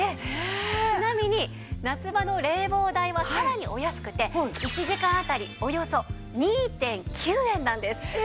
ちなみに夏場の冷房代はさらにお安くて１時間あたりおよそ２．９円なんです。